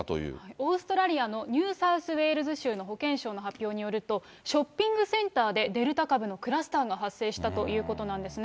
オーストラリアのニューサウスウェールズ州の保健相の発表によると、ショッピングセンターでデルタ株のクラスターが発生したということなんですね。